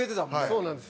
そうなんです。